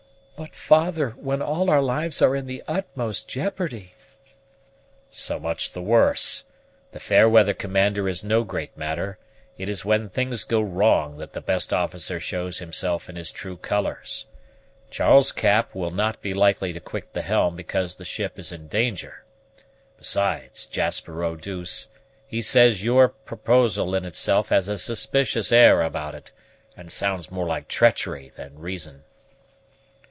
"But, father, when all our lives are in the utmost jeopardy!" "So much the worse. The fair weather commander is no great matter; it is when things go wrong that the best officer shows himself in his true colors. Charles Cap will not be likely to quit the helm because the ship is in danger. Besides, Jasper Eau douce, he says your proposal in itself has a suspicious air about it, and sounds more like treachery than reason."